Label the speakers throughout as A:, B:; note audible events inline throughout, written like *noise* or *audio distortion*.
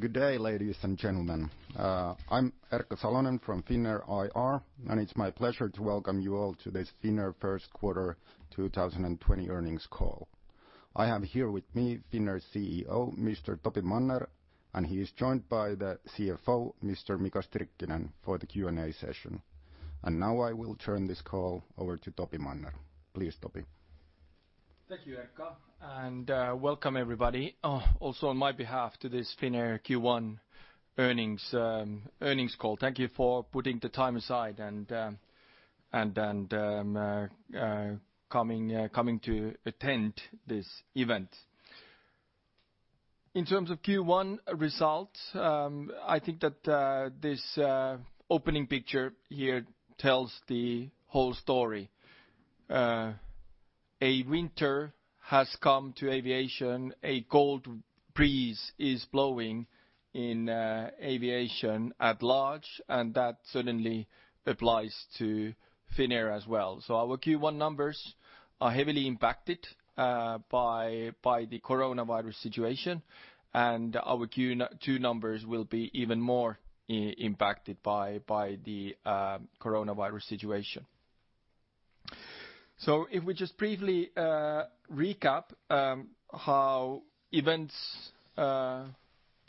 A: Good day, ladies and gentlemen. I'm Erkka Salonen from Finnair IR, and it's my pleasure to welcome you all to this Finnair First Quarter 2020 Earnings Call. I have here with me Finnair's CEO, Mr. Topi Manner, and he is joined by the CFO, Mr. Mika Stirkkinen, for the Q&A session. And now I will turn this call over to Topi Manner. Please, Topi.
B: Thank you, Erkka, and welcome everybody, also on my behalf, to this Finnair Q1 earnings call. Thank you for putting the time aside and coming to attend this event. In terms of Q1 results, I think that this opening picture here tells the whole story. A winter has come to aviation. A cold breeze is blowing in aviation at large, and that certainly applies to Finnair as well. So our Q1 numbers are heavily impacted by the coronavirus situation, and our Q2 numbers will be even more impacted by the coronavirus situation. So if we just briefly recap how events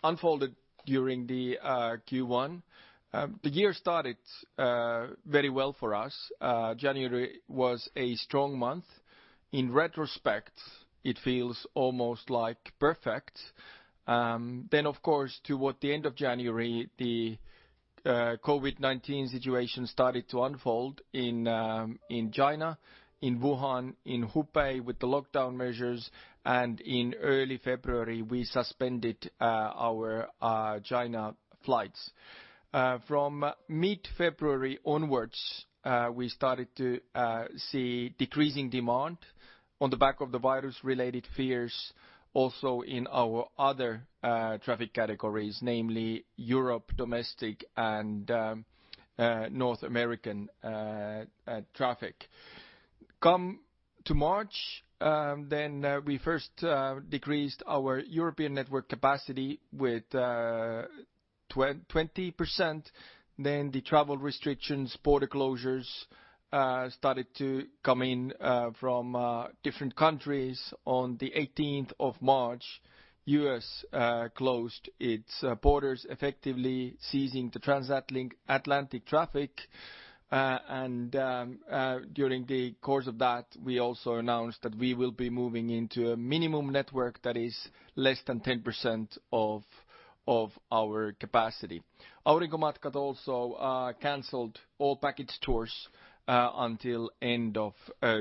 B: unfolded during the Q1, the year started very well for us. January was a strong month. In retrospect, it feels almost like perfect. Then, of course, toward the end of January, the COVID-19 situation started to unfold in China, in Wuhan, in Hubei, with the lockdown measures, and in early February, we suspended our China flights. From mid-February onwards, we started to see decreasing demand on the back of the virus-related fears, also in our other traffic categories, namely Europe, domestic, and North American traffic. Come to March, then we first decreased our European network capacity with 20%. Then the travel restrictions, border closures started to come in from different countries. On the March 18th, the U.S. closed its borders, effectively ceasing the transatlantic traffic. And during the course of that, we also announced that we will be moving into a minimum network that is less than 10% of our capacity. Aurinkomatkat also canceled all package tours until the end of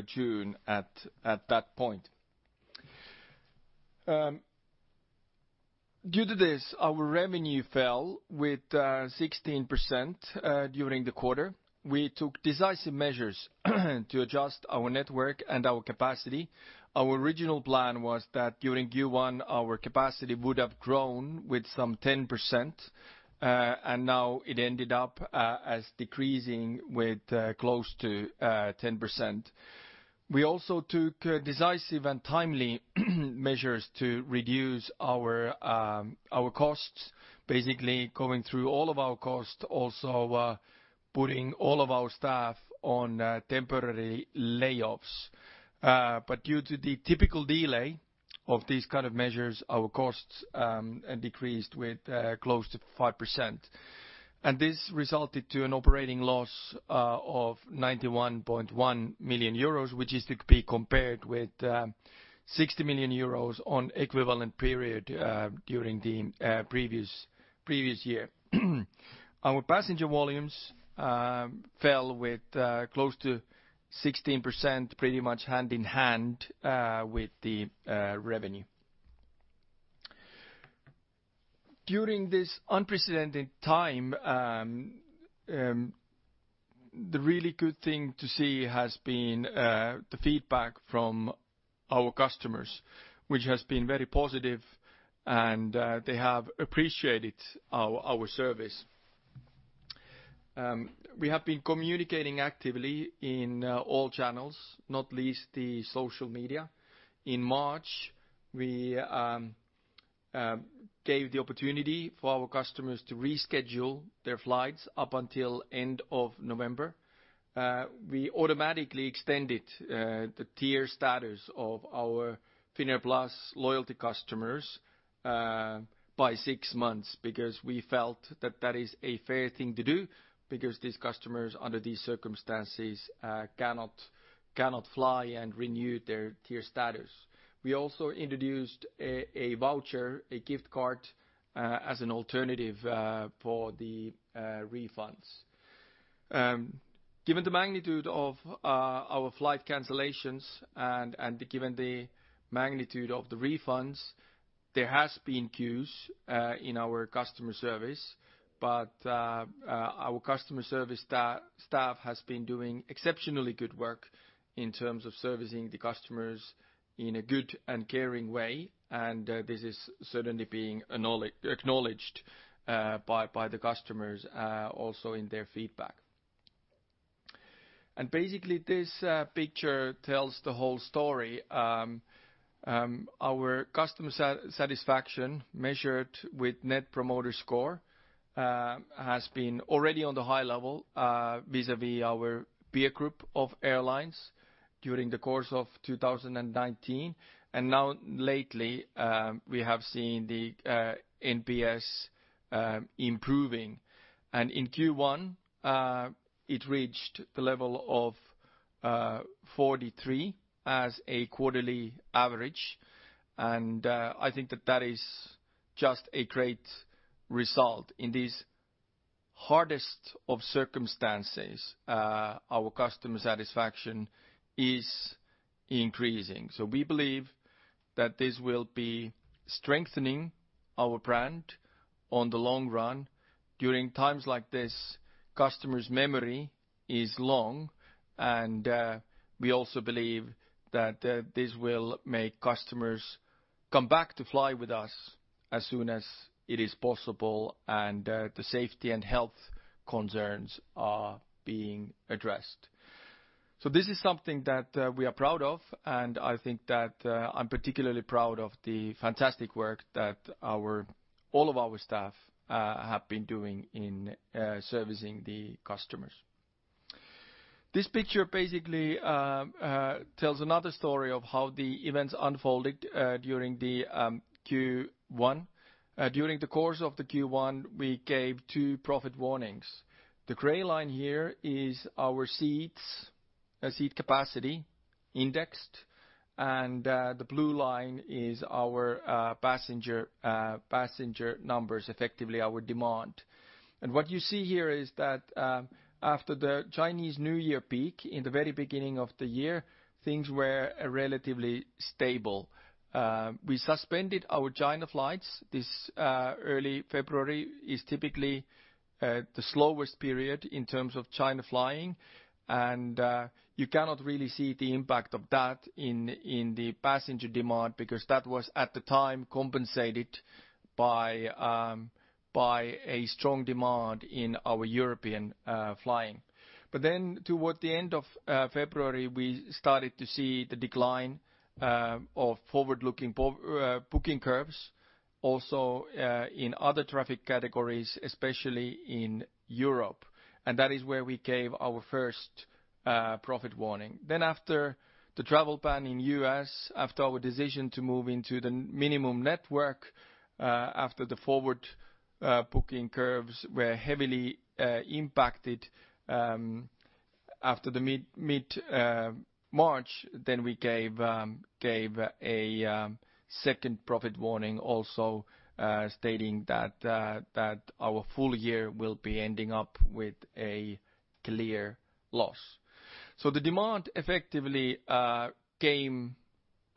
B: June at that point. Due to this, our revenue fell with 16% during the quarter. We took decisive measures to adjust our network and our capacity. Our original plan was that during Q1, our capacity would have grown with some 10%, and now it ended up as decreasing with close to 10%. We also took decisive and timely measures to reduce our costs, basically going through all of our costs, also putting all of our staff on temporary layoffs, but due to the typical delay of these kinds of measures, our costs decreased with close to 5%, and this resulted in an operating loss of 91.1 million euros, which is to be compared with 60 million euros on the equivalent period during the previous year. Our passenger volumes fell with close to 16%, pretty much hand in hand with the revenue. During this unprecedented time, the really good thing to see has been the feedback from our customers, which has been very positive, and they have appreciated our service. We have been communicating actively in all channels, not least the social media. In March, we gave the opportunity for our customers to reschedule their flights up until the end of November. We automatically extended the tier status of our Finnair Plus loyalty customers by six months because we felt that that is a fair thing to do, because these customers, under these circumstances, cannot fly and renew their tier status. We also introduced a voucher, a gift card, as an alternative for the refunds. Given the magnitude of our flight cancellations and given the magnitude of the refunds, there have been queues in our customer service, but our customer service staff has been doing exceptionally good work in terms of servicing the customers in a good and caring way, and this is certainly being acknowledged by the customers also in their feedback. And basically, this picture tells the whole story. Our customer satisfaction, measured with Net Promoter Score, has been already on the high level vis-à-vis our peer group of airlines during the course of 2019, and now lately, we have seen the NPS improving. And in Q1, it reached the level of 43 as a quarterly average, and I think that that is just a great result. In these hardest of circumstances, our customer satisfaction is increasing. So we believe that this will be strengthening our brand in the long run. During times like this, customers' memory is long, and we also believe that this will make customers come back to fly with us as soon as it is possible, and the safety and health concerns are being addressed. So this is something that we are proud of, and I think that I'm particularly proud of the fantastic work that all of our staff have been doing in servicing the customers. This picture basically tells another story of how the events unfolded during the Q1. During the course of the Q1, we gave two profit warnings. The gray line here is our seat capacity indexed, and the blue line is our passenger numbers, effectively our demand. And what you see here is that after the Chinese New Year peak in the very beginning of the year, things were relatively stable. We suspended our China flights. This early February is typically the slowest period in terms of China flying, and you cannot really see the impact of that in the passenger demand because that was, at the time, compensated by a strong demand in our European flying. But then, toward the end of February, we started to see the decline of forward-looking booking curves, also in other traffic categories, especially in Europe, and that is where we gave our first profit warning. Then, after the travel ban in the U.S., after our decision to move into the minimum network, after the forward booking curves were heavily impacted after mid-March, then we gave a second profit warning, also stating that our full year will be ending up with a clear loss. So the demand effectively came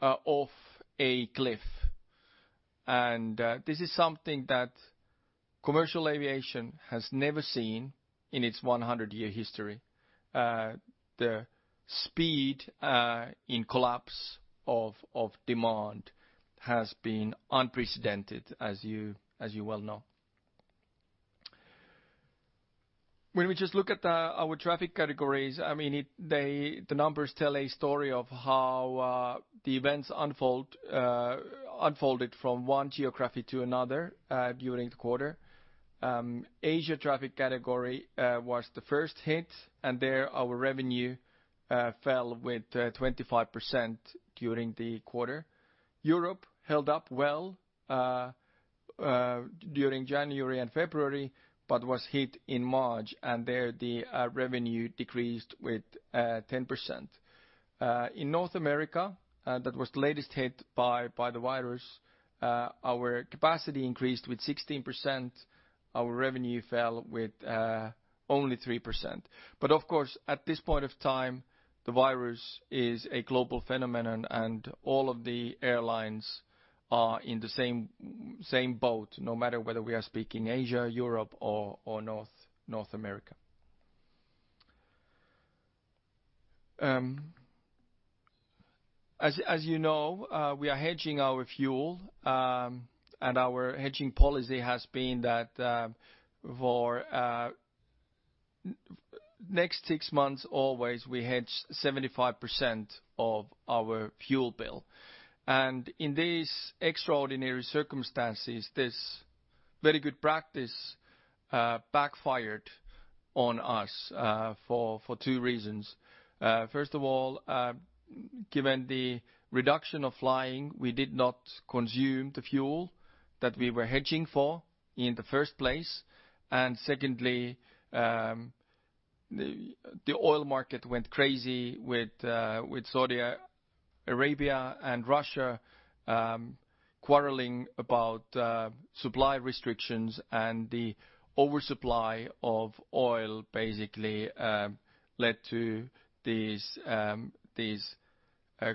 B: off a cliff, and this is something that commercial aviation has never seen in its 100-year history. The speed in collapse of demand has been unprecedented, as you well know. When we just look at our traffic categories, I mean, the numbers tell a story of how the events unfolded from one geography to another during the quarter. Asia traffic category was the first hit, and there our revenue fell with 25% during the quarter. Europe held up well during January and February, but was hit in March, and there the revenue decreased with 10%. In North America, that was the latest hit by the virus. Our capacity increased with 16%. Our revenue fell with only 3%. But of course, at this point of time, the virus is a global phenomenon, and all of the airlines are in the same boat, no matter whether we are speaking Asia, Europe, or North America. As you know, we are hedging our fuel, and our hedging policy has been that for the next six months, always we hedge 75% of our fuel bill, and in these extraordinary circumstances, this very good practice backfired on us for two reasons. First of all, given the reduction of flying, we did not consume the fuel that we were hedging for in the first place, and secondly, the oil market went crazy with Saudi Arabia and Russia quarreling about supply restrictions, and the oversupply of oil basically led to these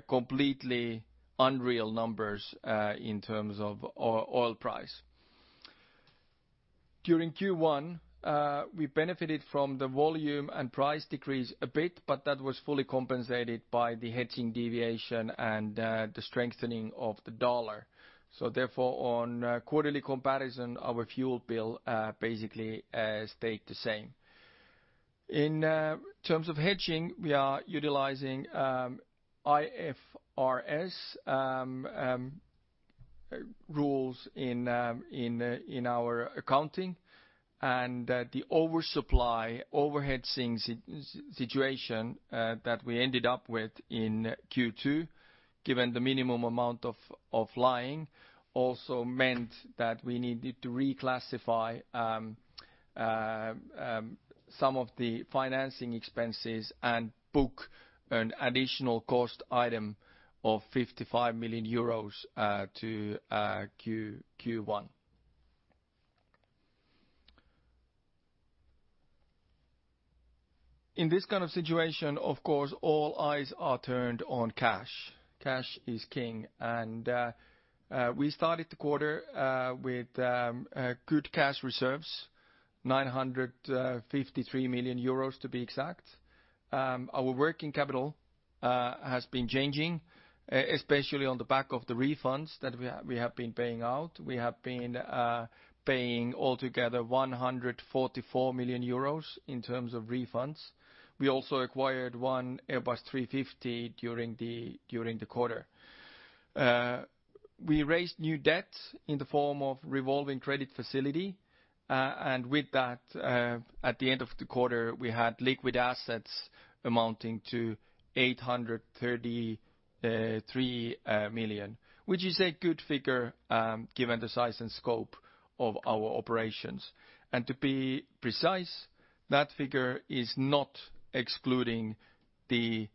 B: completely unreal numbers in terms of oil price. During Q1, we benefited from the volume and price decrease a bit, but that was fully compensated by the hedging deviation and the strengthening of the dollar, so therefore, on quarterly comparison, our fuel bill basically stayed the same. In terms of hedging, we are utilizing IFRS rules in our accounting, and the oversupply overhead situation that we ended up with in Q2, given the minimum amount of flying, also meant that we needed to reclassify some of the financing expenses and book an additional cost item of 55 million euros to Q1. In this kind of situation, of course, all eyes are turned on cash. Cash is king, and we started the quarter with good cash reserves, 953 million euros to be exact. Our working capital has been changing, especially on the back of the refunds that we have been paying out. We have been paying altogether 144 million euros in terms of refunds. We also acquired one Airbus 350 during the quarter. We raised new debt in the form of revolving credit facility, and with that, at the end of the quarter, we had liquid assets amounting to 833 million, which is a good figure given the size and scope of our operations, and to be precise, that figure is not excluding the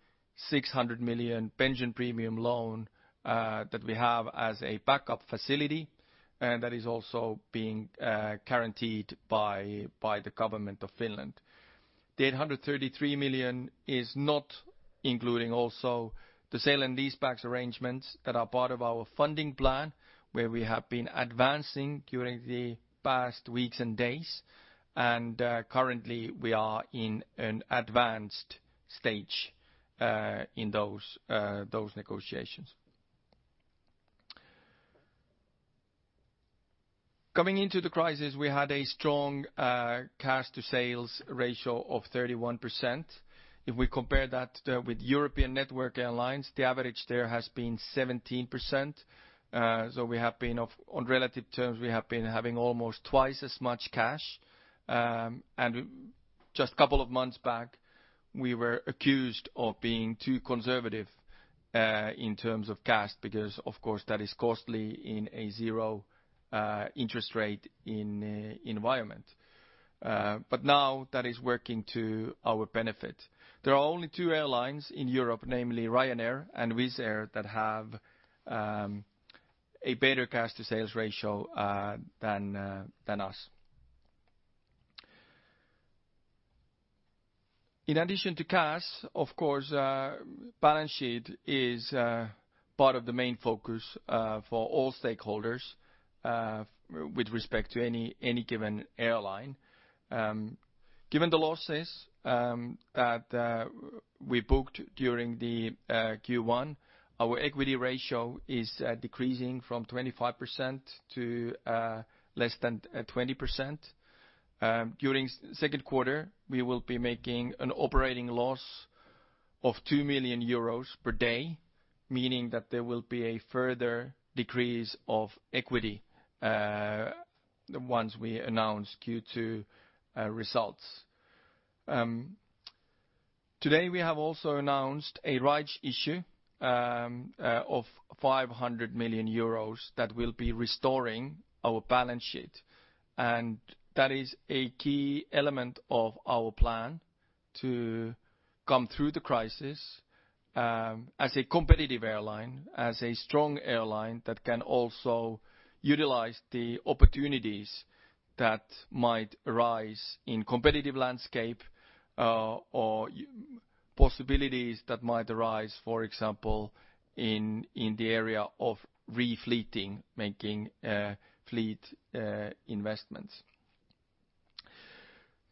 B: 600 million pension premium loan that we have as a backup facility, and that is also being guaranteed by the Government of Finland. The 833 million is not including also the sale and leaseback arrangements that are part of our funding plan, where we have been advancing during the past weeks and days, and currently, we are in an advanced stage in those negotiations. Coming into the crisis, we had a strong cash-to-sales ratio of 31%. If we compare that with European network airlines, the average there has been 17%. So we have been, on relative terms, we have been having almost twice as much cash. And just a couple of months back, we were accused of being too conservative in terms of cash because, of course, that is costly in a zero-interest-rate environment. But now that is working to our benefit. There are only two airlines in Europe, namely Ryanair and Wizz Air, that have a better cash-to-sales ratio than us. In addition to cash, of course, balance sheet is part of the main focus for all stakeholders with respect to any given airline. Given the losses that we booked during Q1, our equity ratio is decreasing from 25% to less than 20%. During the second quarter, we will be making an operating loss of 2 million euros per day, meaning that there will be a further decrease of equity once we announce Q2 results. Today, we have also announced a rights issue of 500 million euros that will be restoring our balance sheet, and that is a key element of our plan to come through the crisis as a competitive airline, as a strong airline that can also utilize the opportunities that might arise in the competitive landscape or possibilities that might arise, for example, in the area of refleeting, making fleet investments.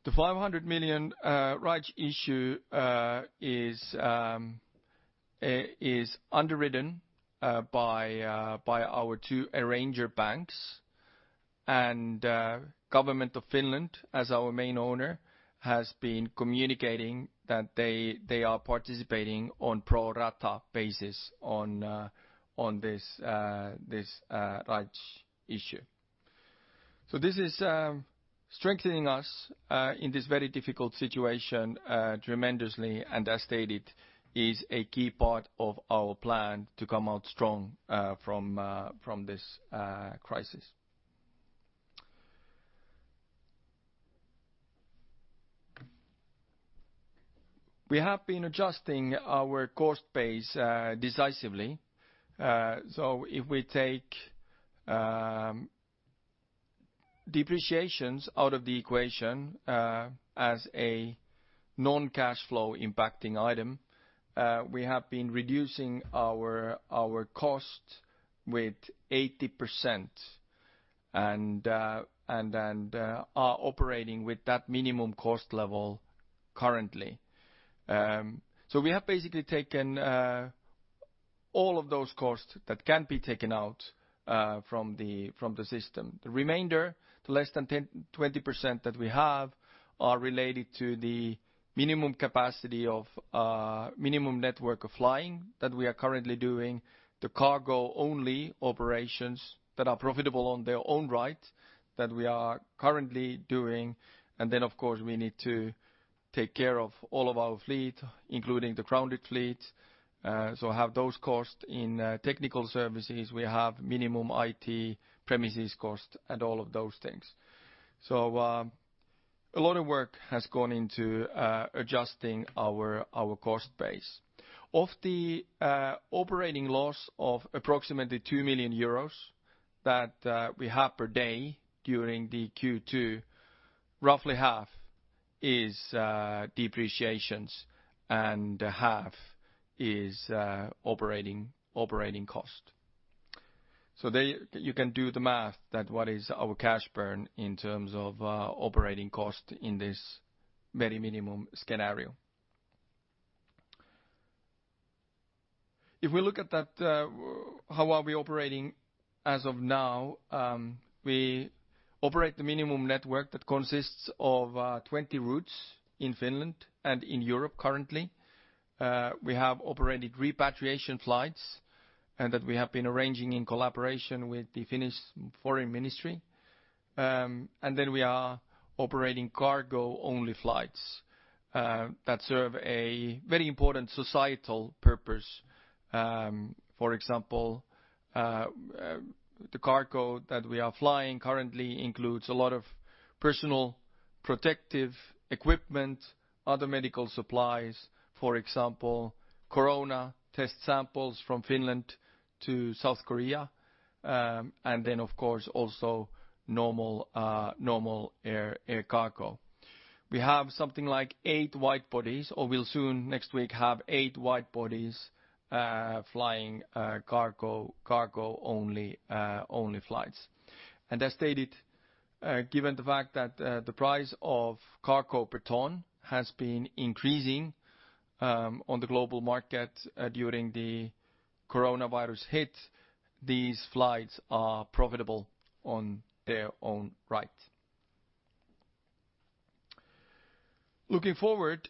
B: The 500 million rights issue is underwritten by our two arranger banks, and the Government of Finland, as our main owner, has been communicating that they are participating on pro-rata basis on this rights issue. So this is strengthening us in this very difficult situation tremendously, and as stated, is a key part of our plan to come out strong from this crisis. We have been adjusting our cost base decisively. If we take depreciations out of the equation as a non-cash flow impacting item, we have been reducing our cost with 80% and are operating with that minimum cost level currently. We have basically taken all of those costs that can be taken out from the system. The remainder, the less than 20% that we have, are related to the minimum network of flying that we are currently doing, the cargo-only operations that are profitable in their own right that we are currently doing. And then, of course, we need to take care of all of our fleet, including the grounded fleet, so have those costs in technical services. We have minimum IT premises cost and all of those things. A lot of work has gone into adjusting our cost base. Of the operating loss of approximately 2 million euros that we have per day during Q2, roughly half is depreciations and half is operating cost. So you can do the math that what is our cash burn in terms of operating cost in this very minimum scenario. If we look at how are we operating as of now, we operate the minimum network that consists of 20 routes in Finland and in Europe currently. We have operated repatriation flights that we have been arranging in collaboration with the Finnish Foreign Ministry. And then we are operating cargo-only flights that serve a very important societal purpose. For example, the cargo that we are flying currently includes a lot of personal protective equipment, other medical supplies, for example, Corona test samples from Finland to South Korea, and then, of course, also normal air cargo. We have something like eight widebodies, or we'll soon next week have eight widebodies flying cargo-only flights, and as stated, given the fact that the price of cargo per ton has been increasing on the global market during the coronavirus hit, these flights are profitable on their own right. Looking forward,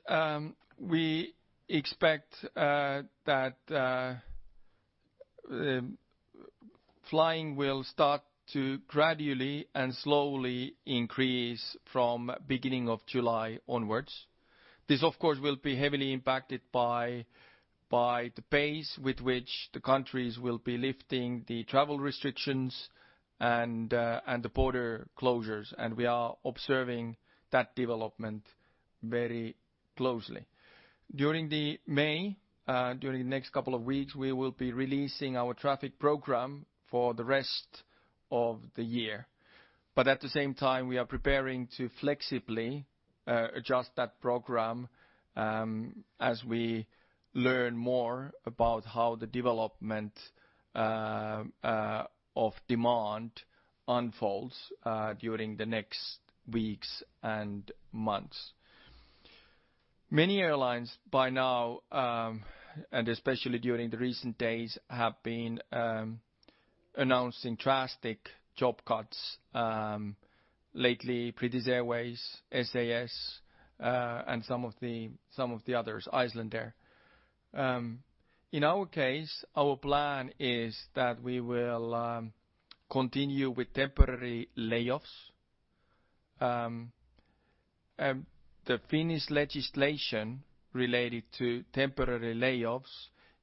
B: we expect that flying will start to gradually and slowly increase from the beginning of July onwards. This, of course, will be heavily impacted by the pace with which the countries will be lifting the travel restrictions and the border closures, and we are observing that development very closely. During May, during the next couple of weeks, we will be releasing our traffic program for the rest of the year. But at the same time, we are preparing to flexibly adjust that program as we learn more about how the development of demand unfolds during the next weeks and months. Many airlines by now, and especially during the recent days, have been announcing drastic job cuts. Lately, British Airways, SAS, and some of the others, Icelandair. In our case, our plan is that we will continue with temporary layoffs. The Finnish legislation related to temporary layoffs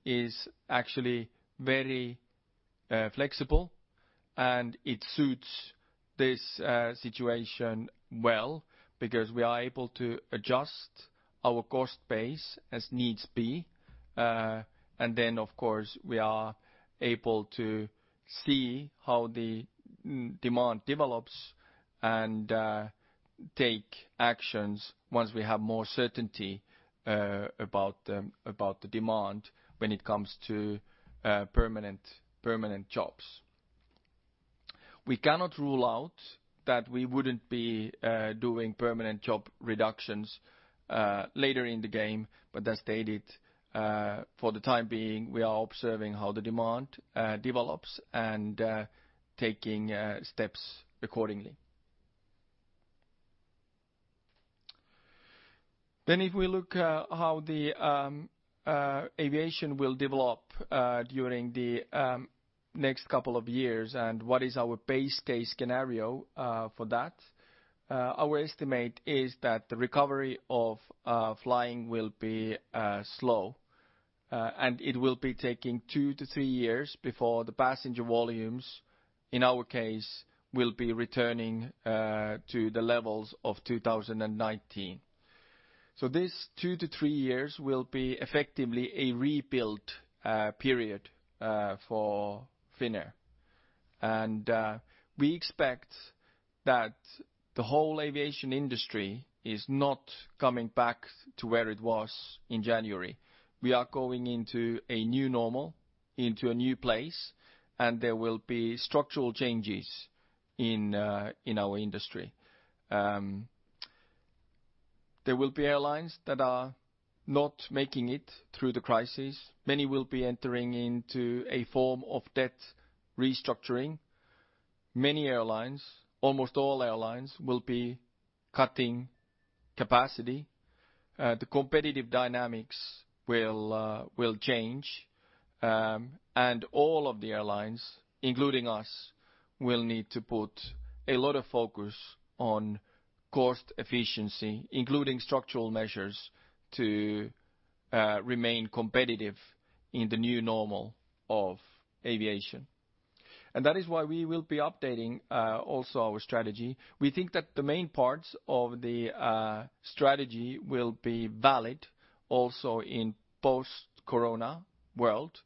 B: is actually very flexible, and it suits this situation well because we are able to adjust our cost base as needs be, and then, of course, we are able to see how the demand develops and take actions once we have more certainty about the demand when it comes to permanent jobs. We cannot rule out that we wouldn't be doing permanent job reductions later in the game, but as stated, for the time being, we are observing how the demand develops and taking steps accordingly. Then, if we look at how the aviation will develop during the next couple of years and what is our base case scenario for that, our estimate is that the recovery of flying will be slow, and it will be taking two to three years before the passenger volumes, in our case, will be returning to the levels of 2019. So these two to three years will be effectively a rebuild period for Finnair. And we expect that the whole aviation industry is not coming back to where it was in January. We are going into a new normal, into a new place, and there will be structural changes in our industry. There will be airlines that are not making it through the crisis. Many will be entering into a form of debt restructuring. Many airlines, almost all airlines, will be cutting capacity. The competitive dynamics will change, and all of the airlines, including us, will need to put a lot of focus on cost efficiency, including structural measures to remain competitive in the new normal of aviation. And that is why we will be updating also our strategy. We think that the main parts of the strategy will be valid also in the post-Corona world,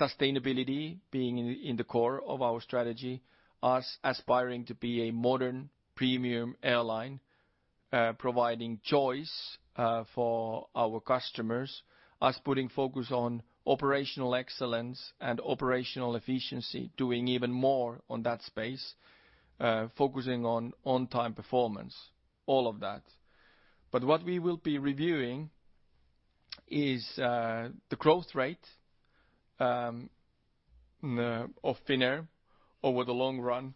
B: sustainability being in the core of our strategy, us aspiring to be a modern premium airline providing choice for our customers, us putting focus on operational excellence and operational efficiency, doing even more on that space, focusing on on-time performance, all of that. But what we will be reviewing is the growth rate of Finnair over the long run.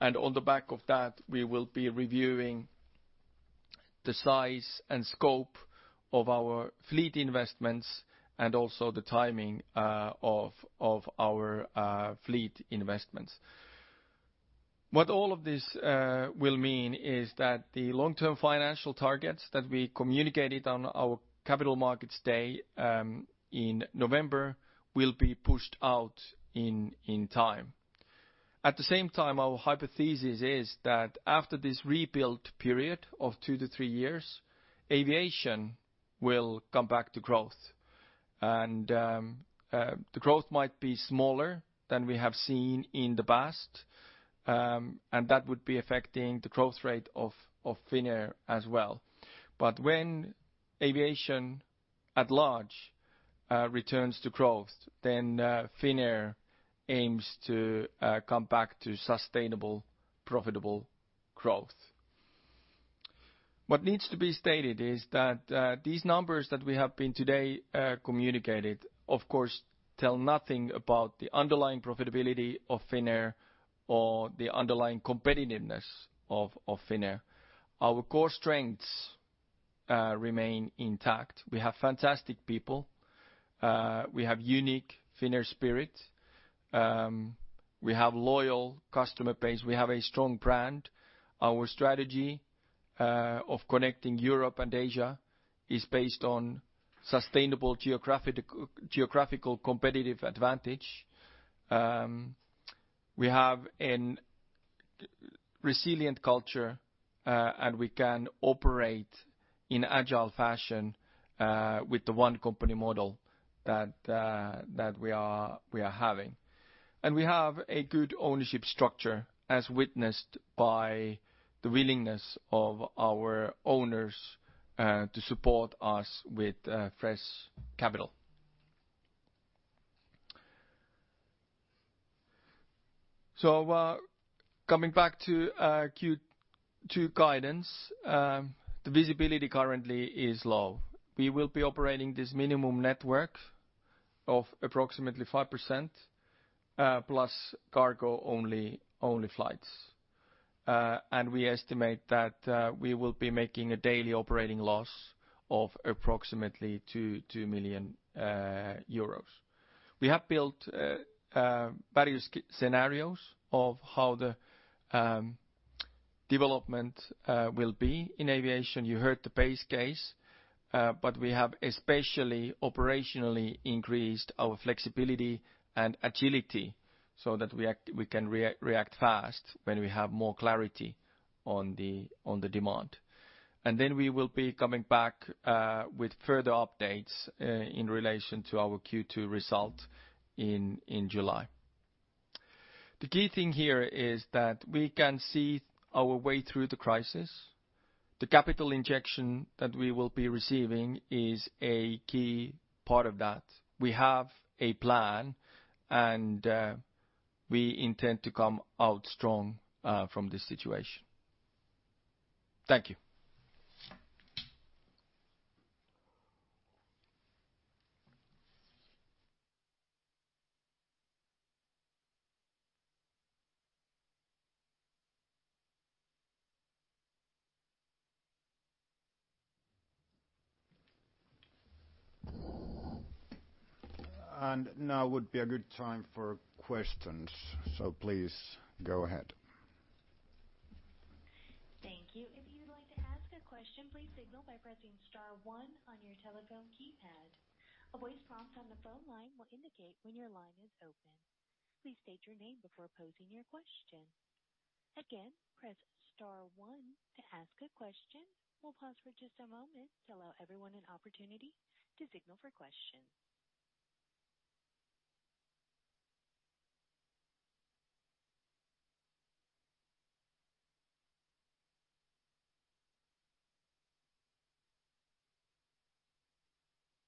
B: And on the back of that, we will be reviewing the size and scope of our fleet investments and also the timing of our fleet investments. What all of this will mean is that the long-term financial targets that we communicated on our Capital Markets Day in November will be pushed out in time. At the same time, our hypothesis is that after this rebuild period of two to three years, aviation will come back to growth. And the growth might be smaller than we have seen in the past, and that would be affecting the growth rate of Finnair as well. But when aviation at large returns to growth, then Finnair aims to come back to sustainable, profitable growth. What needs to be stated is that these numbers that we have been today communicated, of course, tell nothing about the underlying profitability of Finnair or the underlying competitiveness of Finnair. Our core strengths remain intact. We have fantastic people. We have a unique Finnair spirit. We have a loyal customer base. We have a strong brand. Our strategy of connecting Europe and Asia is based on sustainable geographical competitive advantage. We have a resilient culture, and we can operate in an agile fashion with the one company model that we are having. And we have a good ownership structure as witnessed by the willingness of our owners to support us with fresh capital. So coming back to Q2 guidance, the visibility currently is low. We will be operating this minimum network of approximately 5% plus cargo-only flights. We estimate that we will be making a daily operating loss of approximately 2 million euros. We have built various scenarios of how the development will be in aviation. You heard the base case, but we have especially operationally increased our flexibility and agility so that we can react fast when we have more clarity on the demand. And then we will be coming back with further updates in relation to our Q2 result in July. The key thing here is that we can see our way through the crisis. The capital injection that we will be receiving is a key part of that. We have a plan, and we intend to come out strong from this situation. Thank you.
A: And now would be a good time for questions, so please go ahead. Thank you.
C: If you'd like to ask a question, please signal by pressing star one on your telephone keypad. A voice prompt on the phone line will indicate when your line is open. Please state your name before posing your question. Again, press star one to ask a question. We'll pause for just a moment to allow everyone an opportunity to signal for questions.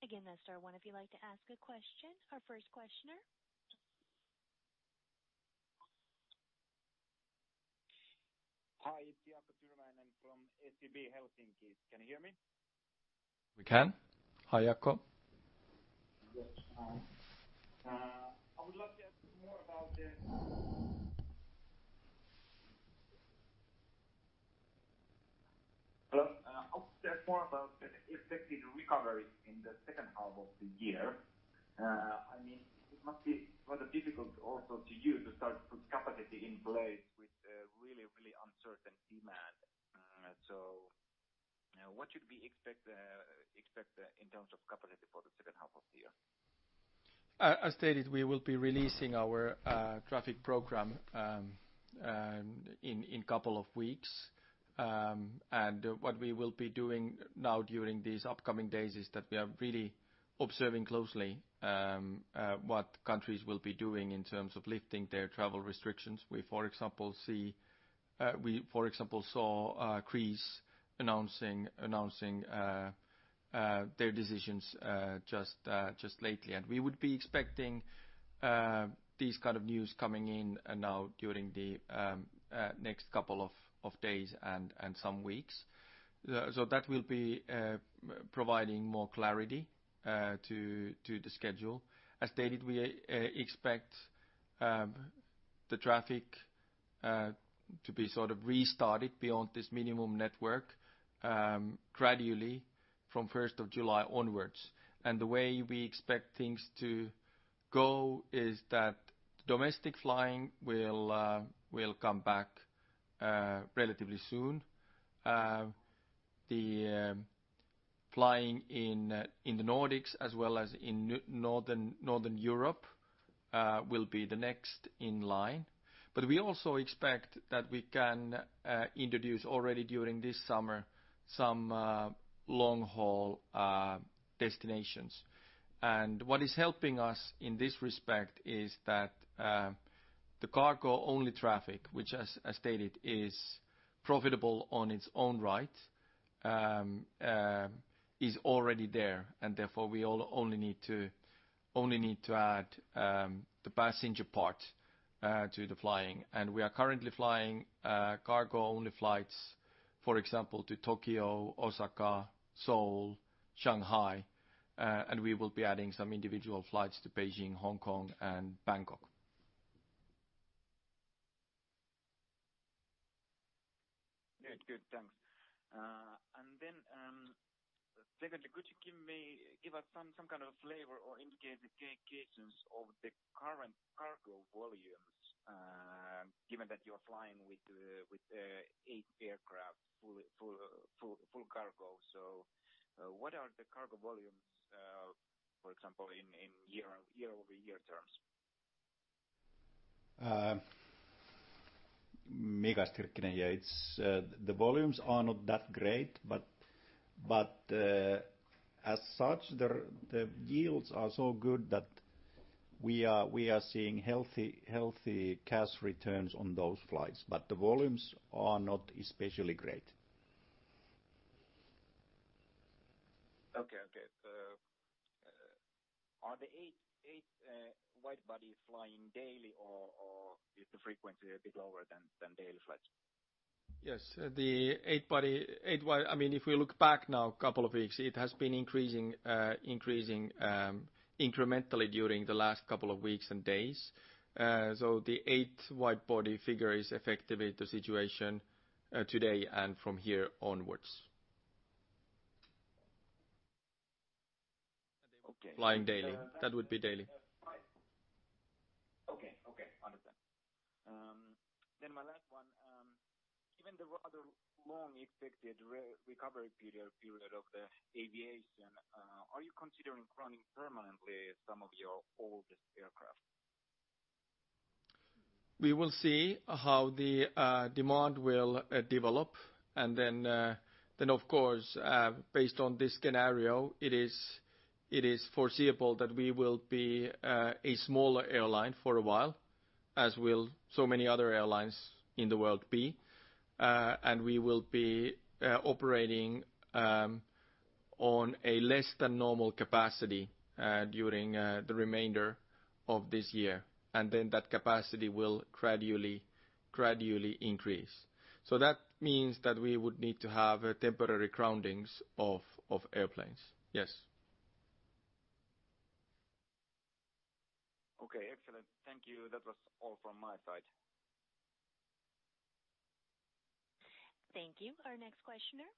C: Again, that's star one if you'd like to ask a question. Our first questioner.
D: Hi, it's Jaakko Tyrväinen from SEB Helsinki. Can you hear me?
B: We can. Hi, Jaakko.
D: Yes, hi. I would love to ask you more about *audio distortion* I would like to ask more about the effective recovery in the second half of the year. I mean, it must be rather difficult also to use to start to put capacity in place with really, really uncertain demand. So what should we expect in terms of capacity for the second half of the year?
B: As stated, we will be releasing our traffic program in a couple of weeks. And what we will be doing now during these upcoming days is that we are really observing closely what countries will be doing in terms of lifting their travel restrictions. We, for example, saw Greece announcing their decisions just lately. And we would be expecting these kinds of news coming in now during the next couple of days and some weeks. So that will be providing more clarity to the schedule. As stated, we expect the traffic to be sort of restarted beyond this minimum network gradually from the July 1st onwards. And the way we expect things to go is that domestic flying will come back relatively soon. The flying in the Nordics as well as in Northern Europe will be the next in line. But we also expect that we can introduce already during this summer some long-haul destinations. And what is helping us in this respect is that the cargo-only traffic, which, as stated, is profitable on its own right, is already there. And therefore, we only need to add the passenger part to the flying. And we are currently flying cargo-only flights, for example, to Tokyo, Osaka, Seoul, Shanghai, and we will be adding some individual flights to Beijing, Hong Kong, and Bangkok.
D: *audio distortion* Thanks. And then secondly, could you give us some kind of flavor or indicate the cases of the current cargo volumes, given that you are flying with eight aircraft, full cargo? So what are the cargo volumes, for example, in year-over-year terms?
E: Mika Stirkkinen, yeah. The volumes are not that great, but as such, the yields are so good that we are seeing healthy cash returns on those flights. But the volumes are not especially great.
D: Okay, okay. Are the eight widebodies flying daily, or is the frequency a bit lower than daily flights?
B: Yes. The eight widebody, I mean, if we look back now a couple of weeks, it has been increasing incrementally during the last couple of weeks and days. So the eight widebody figure is effectively the situation today and from here onwards.
D: Okay.
B: Flying daily. That would be daily.
D: Okay, okay. Understood. Then my last one. Given the rather long expected recovery period of the aviation, are you considering running permanently some of your oldest aircraft?
B: We will see how the demand will develop. And then, of course, based on this scenario, it is foreseeable that we will be a smaller airline for a while, as will so many other airlines in the world be. And we will be operating on a less-than-normal capacity during the remainder of this year. And then that capacity will gradually increase. So that means that we would need to have temporary groundings of airplanes. Yes.
D: Okay, excellent. Thank you. That was all from my side.
C: Thank you. Our next questioner.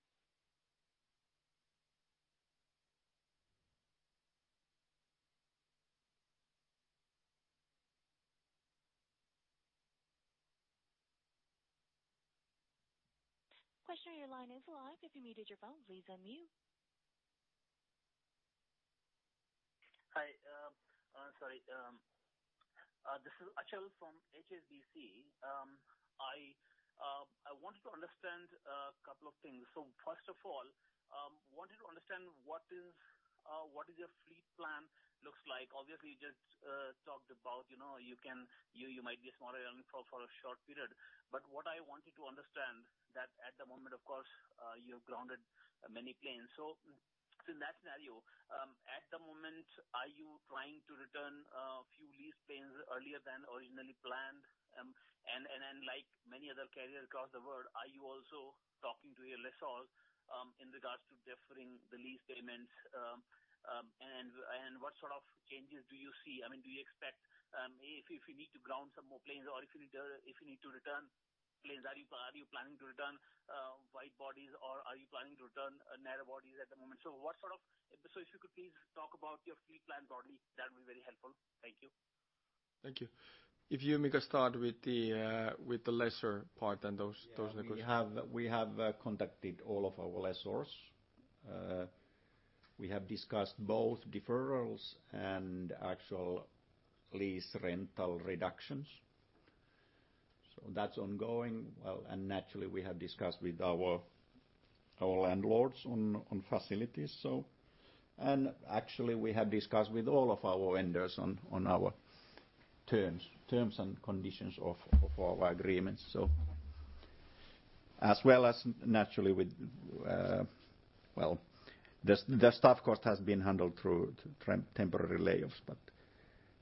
C: Questioner, your line is live. If you muted your phone, please unmute.
F: Hi. Sorry. This is Achal from HSBC. I wanted to understand a couple of things. So first of all, I wanted to understand what is your fleet plan looks like. Obviously, you just talked about you might be a smaller airline for a short period. But what I wanted to understand, that at the moment, of course, you have grounded many planes. So in that scenario, at the moment, are you trying to return a few lease planes earlier than originally planned? And like many other carriers across the world, are you also talking to your lessors in regards to deferring the lease payments? And what sort of changes do you see? I mean, do you expect if you need to ground some more planes or if you need to return planes, are you planning to return widebodies, or are you planning to return narrowbodies at the moment? So if you could please talk about your fleet plan broadly, that would be very helpful. Thank you.
E: Thank you. If you make a start with the lessor part and those negotiations. We have contacted all of our lessors. We have discussed both deferrals and actual lease rental reductions. So that's ongoing. And naturally, we have discussed with our landlords on facilities. And actually, we have discussed with all of our vendors on our terms and conditions of our agreements. As well as naturally with, well, the staff, of course, has been handled through temporary layoffs. But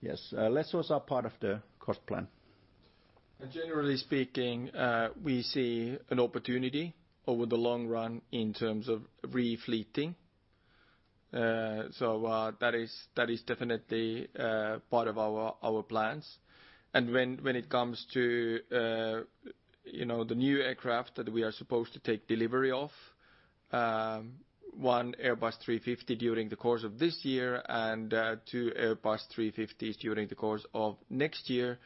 E: yes, lessors are part of the cost plan.
B: And generally speaking, we see an opportunity over the long run in terms of refleeting. So that is definitely part of our plans. And when it comes to the new aircraft that we are supposed to take delivery of, one Airbus A350 during the course of this year and two Airbus A350s during the course of next year,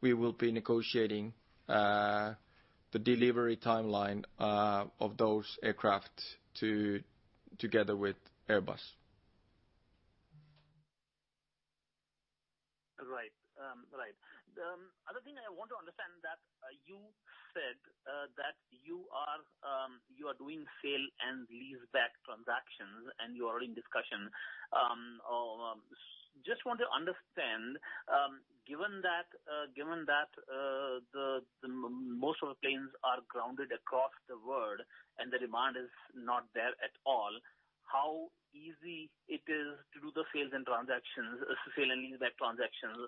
B: we will be negotiating the delivery timeline of those aircraft together with Airbus.
F: Right. The other thing I want to understand is that you said that you are doing sale and lease-back transactions, and you are in discussion. Just want to understand, given that most of the planes are grounded across the world and the demand is not there at all, how easy it is to do the sales and transactions, sale and lease-back transactions.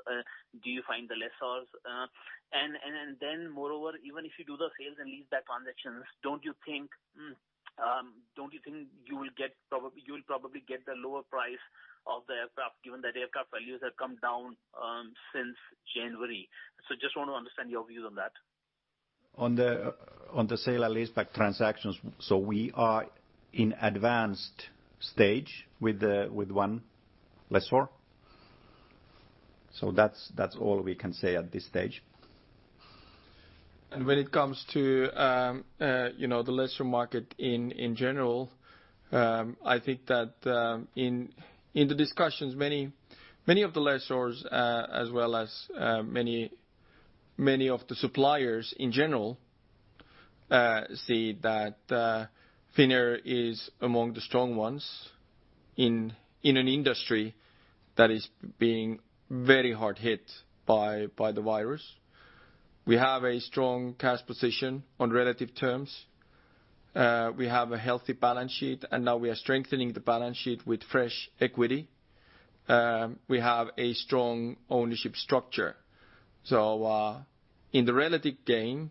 F: Do you find the lessors? And then moreover, even if you do the sales and lease-back transactions, don't you think you will probably get the lower price of the aircraft, given that aircraft values have come down since January? So just want to understand your views on that.
E: On the sale and lease-back transactions, so we are in advanced stage with one lessor. So that's all we can say at this stage.
B: And when it comes to the lessor market in general, I think that in the discussions, many of the lessors, as well as many of the suppliers in general, see that Finnair is among the strong ones in an industry that is being very hard hit by the virus. We have a strong cash position on relative terms. We have a healthy balance sheet, and now we are strengthening the balance sheet with fresh equity. We have a strong ownership structure. So in the relative game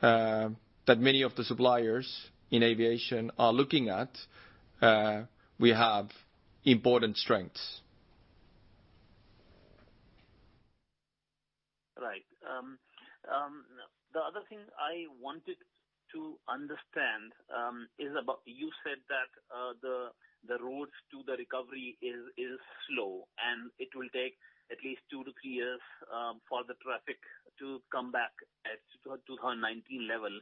B: that many of the suppliers in aviation are looking at, we have important strengths.
F: Right. The other thing I wanted to understand is about you said that the road to the recovery is slow, and it will take at least two to three years for the traffic to come back to 2019 level.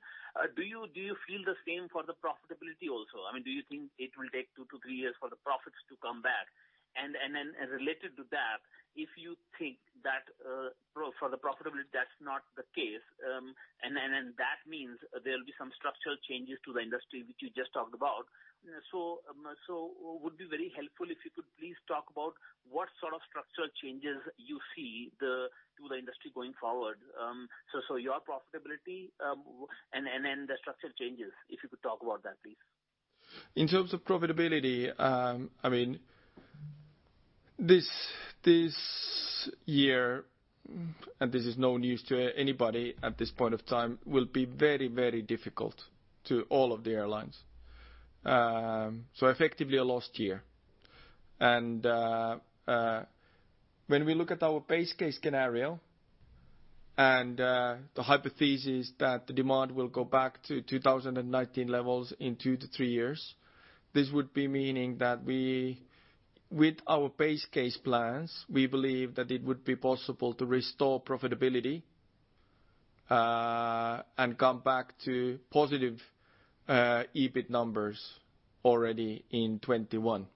F: Do you feel the same for the profitability also? I mean, do you think it will take two to three years for the profits to come back? And then related to that, if you think that for the profitability, that's not the case, and that means there will be some structural changes to the industry, which you just talked about, so it would be very helpful if you could please talk about what sort of structural changes you see to the industry going forward. So your profitability and then the structural changes, if you could talk about that, please.
B: In terms of profitability, I mean, this year, and this is no news to anybody at this point of time, will be very, very difficult to all of the airlines. So effectively a lost year. When we look at our base case scenario and the hypothesis that the demand will go back to 2019 levels in two to three years, this would be meaning that with our base case plans, we believe that it would be possible to restore profitability and come back to positive EBIT numbers already in 2021.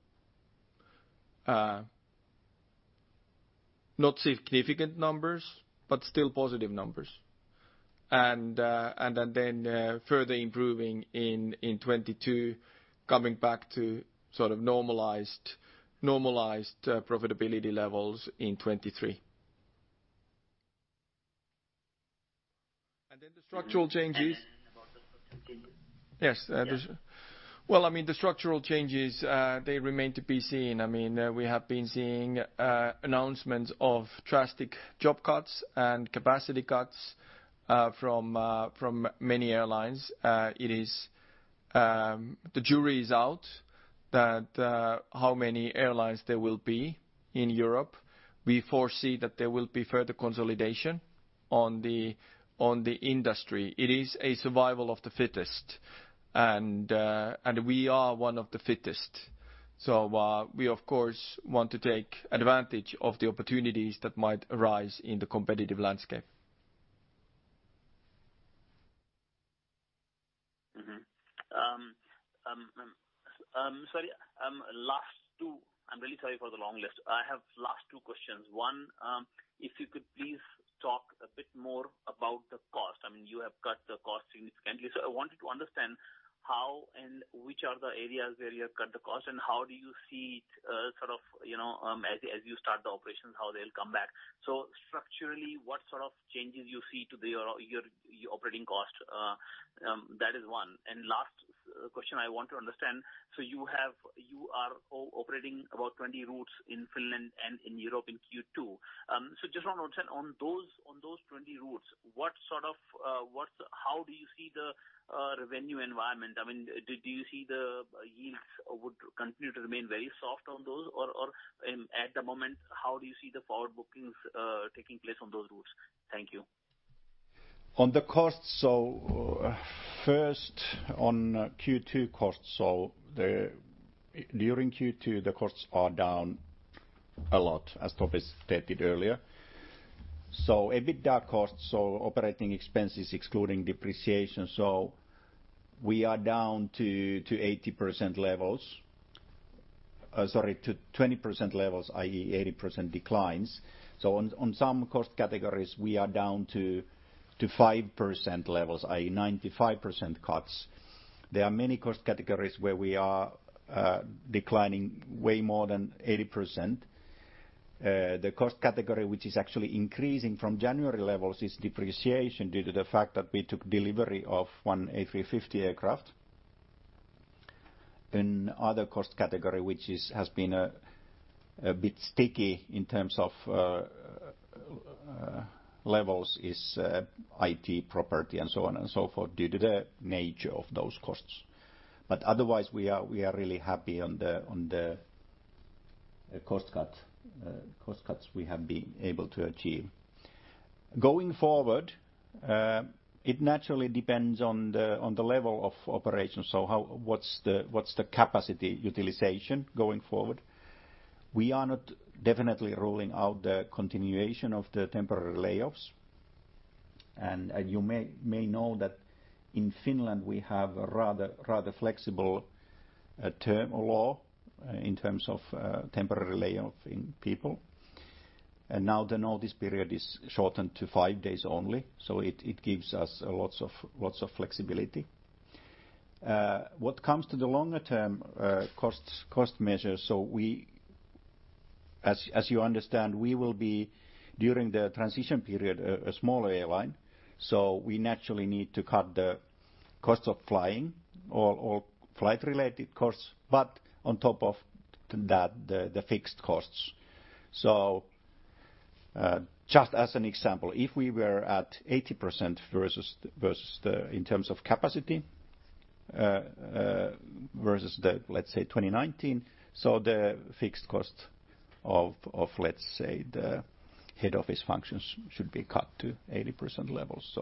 B: Not significant numbers, but still positive numbers. Further improving in 2022, coming back to sort of normalized profitability levels in 2023.
F: The structural changes.
B: Yes. I mean, the structural changes, they remain to be seen. I mean, we have been seeing announcements of drastic job cuts and capacity cuts from many airlines. The jury is out that how many airlines there will be in Europe. We foresee that there will be further consolidation on the industry. It is a survival of the fittest, and we are one of the fittest. So we, of course, want to take advantage of the opportunities that might arise in the competitive landscape.
F: Sorry, last two. I'm really sorry for the long list. I have last two questions. One, if you could please talk a bit more about the cost. I mean, you have cut the cost significantly. So I wanted to understand how and which are the areas where you have cut the cost, and how do you see it sort of as you start the operations, how they'll come back? So structurally, what sort of changes you see to your operating cost? That is one. And last question, I want to understand. So you are operating about 20 routes in Finland and in Europe in Q2. So just want to understand on those 20 routes, how do you see the revenue environment? I mean, do you see the yields would continue to remain very soft on those? Or at the moment, how do you see the forward bookings taking place on those routes? Thank you.
E: On the cost, so first on Q2 cost, so during Q2, the costs are down a lot, as Topi stated earlier. So EBITDA cost, so operating expenses excluding depreciation, so we are down to 80% levels. Sorry, to 20% levels, i.e., 80% declines. So on some cost categories, we are down to 5% levels, i.e., 95% cuts. There are many cost categories where we are declining way more than 80%. The cost category which is actually increasing from January levels is depreciation due to the fact that we took delivery of one A350 aircraft. Another cost category which has been a bit sticky in terms of levels is IT property and so on and so forth due to the nature of those costs. But otherwise, we are really happy on the cost cuts we have been able to achieve. Going forward, it naturally depends on the level of operations. So what's the capacity utilization going forward? We are not definitely ruling out the continuation of the temporary layoffs. And you may know that in Finland, we have a rather flexible term or law in terms of temporarily laying off people. And now the notice period is shortened to five days only. So it gives us lots of flexibility. What comes to the longer-term cost measures, so as you understand, we will be during the transition period a smaller airline. We naturally need to cut the costs of flying or flight-related costs, but on top of that, the fixed costs. Just as an example, if we were at 80% versus in terms of capacity versus the, let's say, 2019, so the fixed cost of, let's say, the head office functions should be cut to 80% levels.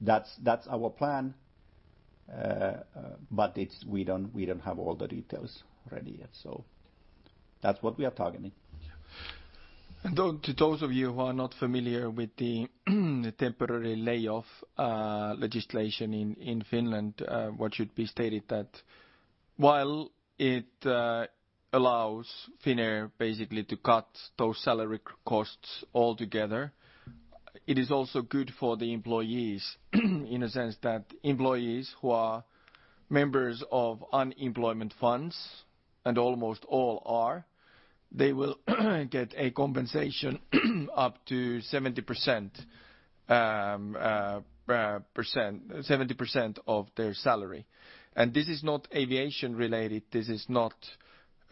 E: That's our plan, but we don't have all the details ready yet. That's what we are targeting.
B: To those of you who are not familiar with the temporary layoff legislation in Finland, what should be stated is that while it allows Finnair basically to cut those salary costs altogether, it is also good for the employees in a sense that employees who are members of unemployment funds, and almost all are, they will get a compensation up to 70% of their salary. This is not aviation-related. This is not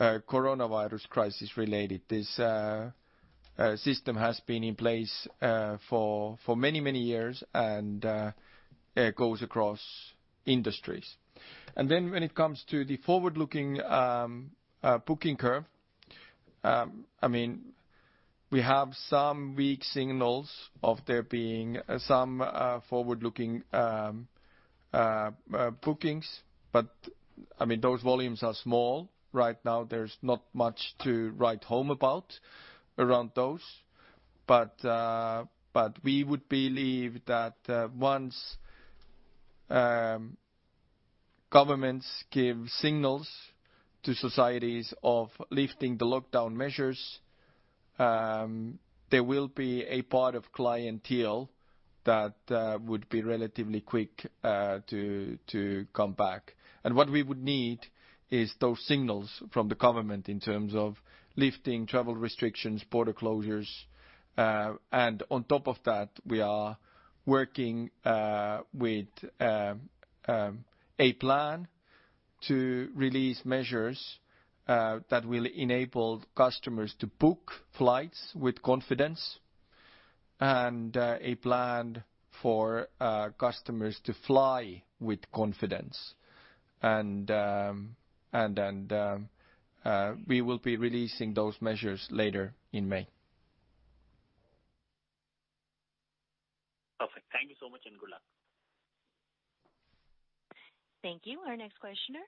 B: coronavirus crisis-related. This system has been in place for many, many years and goes across industries. And then when it comes to the forward-looking booking curve, I mean, we have some weak signals of there being some forward-looking bookings, but I mean, those volumes are small. Right now, there's not much to write home about around those. But we would believe that once governments give signals to societies of lifting the lockdown measures, there will be a part of clientele that would be relatively quick to come back. And what we would need is those signals from the government in terms of lifting travel restrictions, border closures. And on top of that, we are working with a plan to release measures that will enable customers to book flights with confidence and a plan for customers to fly with confidence. And then we will be releasing those measures later in May.
F: Perfect. Thank you so much and good luck.
C: Thank you. Our next questioner.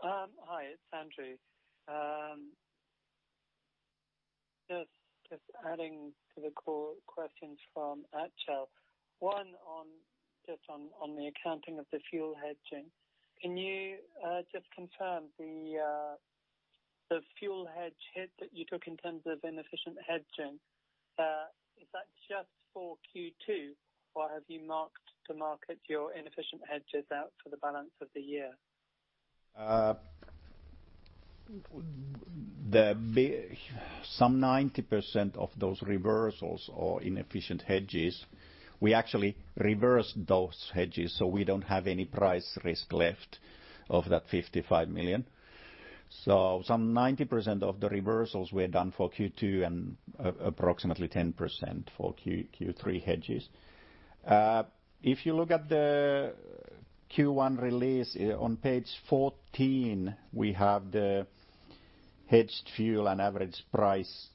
C: Hi, it's Andrew. Just adding to the questions from Achal. One just on the accounting of the fuel hedging. Can you just confirm the fuel hedge hit that you took in terms of inefficient hedging? Is that just for Q2, or have you marked to market your inefficient hedges out for the balance of the year?
E: Some 90% of those reversals or inefficient hedges, we actually reversed those hedges, so we don't have any price risk left of that 55 million. So some 90% of the reversals were done for Q2 and approximately 10% for Q3 hedges. If you look at the Q1 release, on page 14, we have the hedged fuel and average price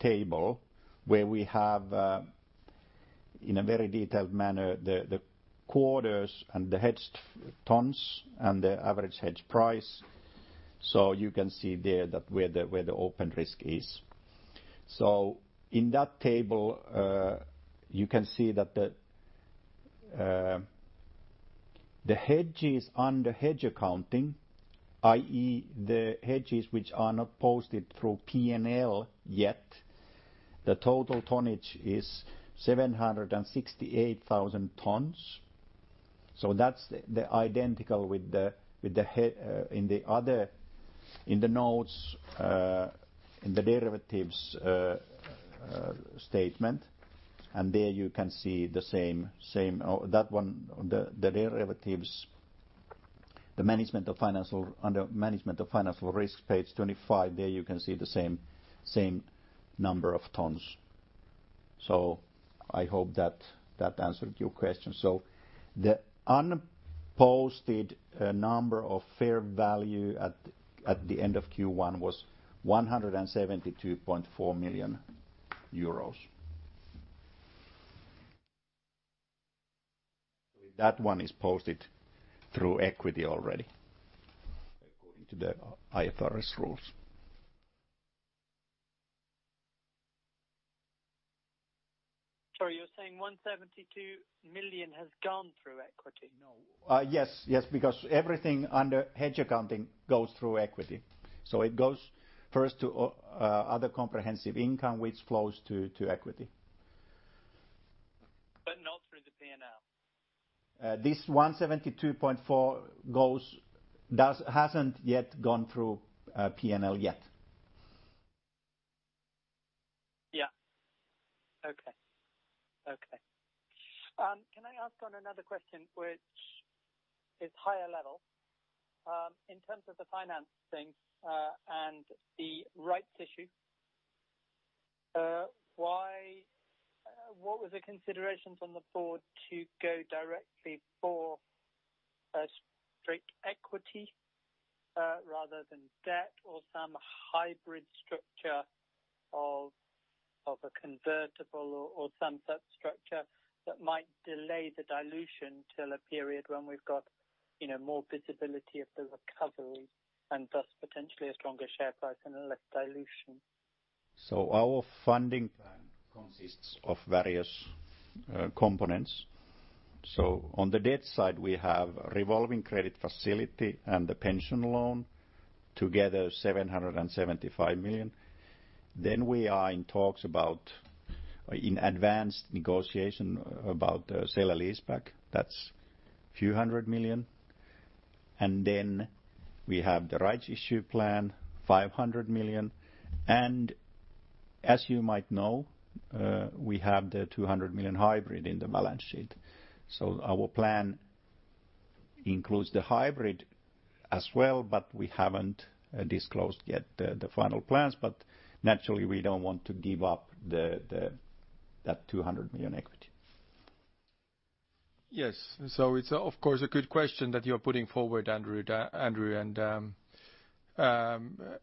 E: table where we have, in a very detailed manner, the quarters and the hedged tons and the average hedge price. So you can see there where the open risk is. So in that table, you can see that the hedges under hedge accounting, i.e., the hedges which are not posted through P&L yet, the total tonnage is 768,000 tons. So that's identical with the one in the notes, in the derivatives statement. And there you can see the same. That one, the derivatives, management of financial risk, page 25, there you can see the same number of tons. So I hope that answered your question. So the unposted fair value at the end of Q1 was 172.4 million euros. That one is posted through equity already according to the IFRS rules. Sorry, you're saying 172 million has gone through equity? No? Yes. Yes. Because everything under hedge accounting goes through equity. So it goes first to other comprehensive income, which flows to equity. But not through the P&L? This 172.4 million hasn't yet gone through P&L yet. Yeah. Okay. Okay. Can I ask on another question, which is higher level? In terms of the financing and the rights issue, what was the consideration from the board to go directly for a straight equity rather than debt or some hybrid structure of a convertible or some sub-structure that might delay the dilution till a period when we've got more visibility of the recovery and thus potentially a stronger share price and a less dilution? So our funding plan consists of various components. On the debt side, we have revolving credit facility and the pension loan together, 775 million. Then we are in advanced negotiations about the sale and leaseback. That's a few hundred million. And then we have the rights issue plan, 500 million. And as you might know, we have the 200 million hybrid in the balance sheet. So our plan includes the hybrid as well, but we haven't disclosed yet the final plans. But naturally, we don't want to give up that 200 million equity.
B: Yes. So it's, of course, a good question that you're putting forward, Andrew. And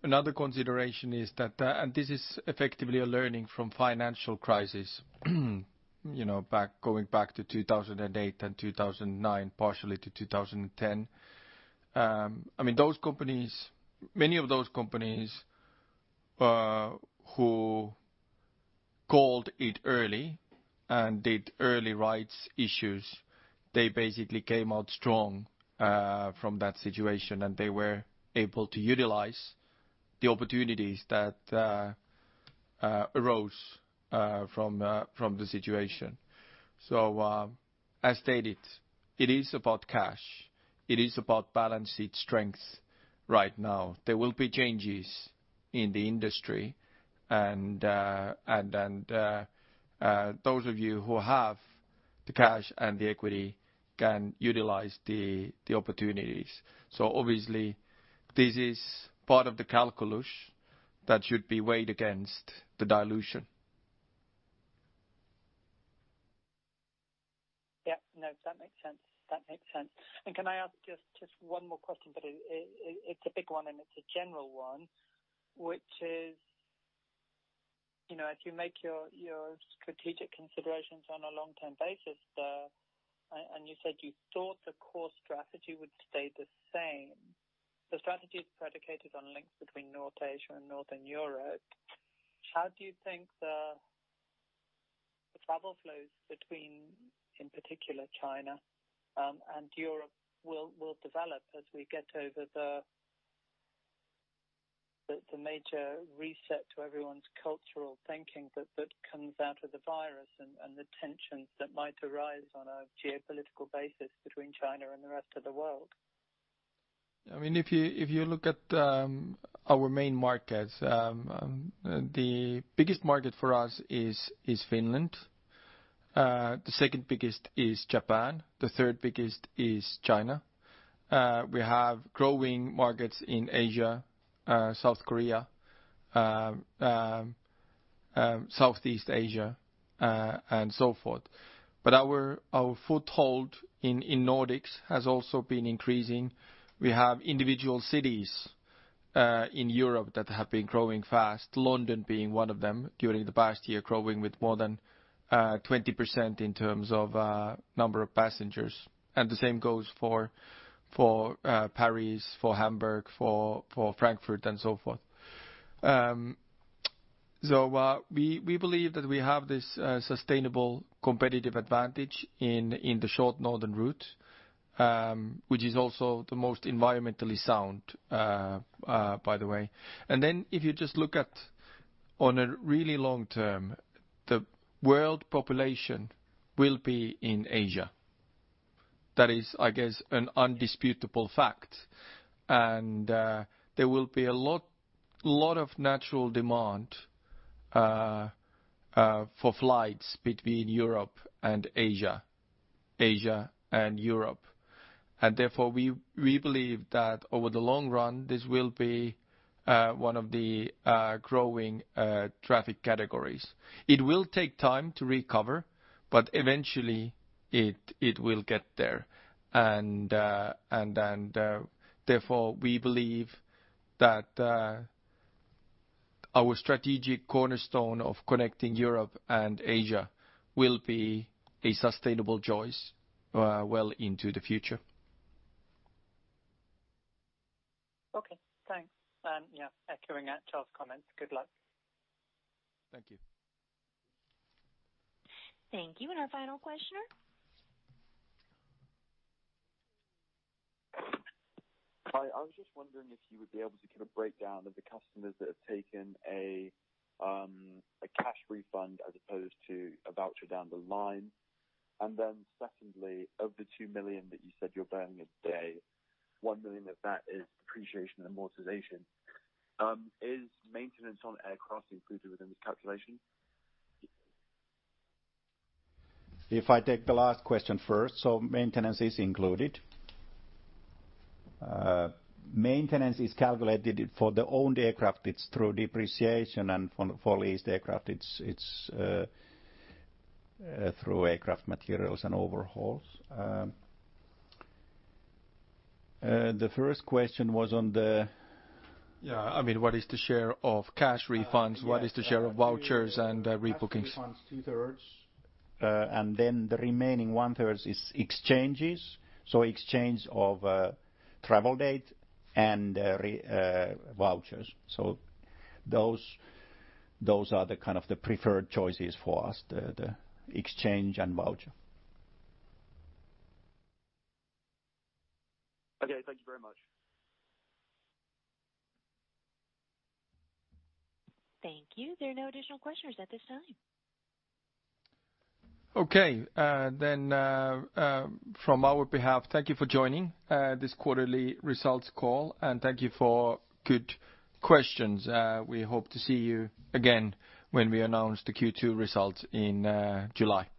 B: another consideration is that, and this is effectively a learning from financial crisis going back to 2008 and 2009, partially to 2010. I mean, those companies, many of those companies who called it early and did early rights issues, they basically came out strong from that situation, and they were able to utilize the opportunities that arose from the situation. So as stated, it is about cash. It is about balance sheet strength right now. There will be changes in the industry. And those of you who have the cash and the equity can utilize the opportunities. So obviously, this is part of the calculus that should be weighed against the dilution. Yep. No, that makes sense. That makes sense. And can I ask just one more question? But it's a big one, and it's a general one, which is, as you make your strategic considerations on a long-term basis, and you said you thought the core strategy would stay the same. The strategy is predicated on links between North Asia and Northern Europe. How do you think the travel flows between, in particular, China and Europe will develop as we get over the major reset to everyone's cultural thinking that comes out of the virus and the tensions that might arise on a geopolitical basis between China and the rest of the world? I mean, if you look at our main markets, the biggest market for us is Finland. The second biggest is Japan. The third biggest is China. We have growing markets in Asia, South Korea, Southeast Asia, and so forth. But our foothold in Nordics has also been increasing. We have individual cities in Europe that have been growing fast, London being one of them during the past year, growing with more than 20% in terms of number of passengers, and the same goes for Paris, for Hamburg, for Frankfurt, and so forth, so we believe that we have this sustainable competitive advantage in the short northern route, which is also the most environmentally sound, by the way, and then if you just look at on a really long term, the world population will be in Asia. That is, I guess, an indisputable fact, and there will be a lot of natural demand for flights between Europe and Asia and Europe, and therefore, we believe that over the long run, this will be one of the growing traffic categories. It will take time to recover, but eventually, it will get there. And therefore, we believe that our strategic cornerstone of connecting Europe and Asia will be a sustainable choice well into the future. Okay. Thanks. Yeah. Echoing Achal's comments, good luck. Thank you.
C: Thank you. And our final questioner. Hi. I was just wondering if you would be able to give a breakdown of the customers that have taken a cash refund as opposed to a voucher down the line. And then secondly, of the 2 million that you said you're burning a day, 1 million of that is depreciation and amortization. Is maintenance on aircraft included within this calculation?
E: If I take the last question first, so maintenance is included. Maintenance is calculated for the owned aircraft. It's through depreciation, and for leased aircraft, it's through aircraft materials and overhauls. The first question was on the. Yeah. I mean, what is the share of cash refunds? What is the share of vouchers and rebookings?
B: Cash refunds, two-thirds.
E: And then the remaining one-third is exchanges. So exchange of travel date and vouchers. So those are the kind of the preferred choices for us, the exchange and voucher. Okay. Thank you very much.
C: Thank you. There are no additional questions at this time.
B: Okay. Then from our behalf, thank you for joining this quarterly results call, and thank you for good questions. We hope to see you again when we announce the Q2 results in July. Thank you.